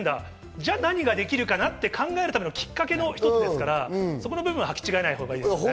じゃあ、何ができるかなって考えるためのきっかけの一つですから、そこの部分ははき違えないほうがいいですね。